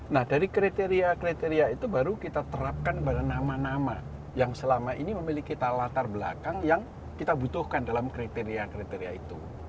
nah dari kriteria kriteria itu baru kita terapkan pada nama nama yang selama ini memiliki latar belakang yang kita butuhkan dalam kriteria kriteria itu